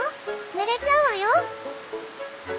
ぬれちゃうわよ！」。